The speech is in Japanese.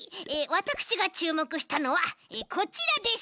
わたくしがちゅうもくしたのはこちらです。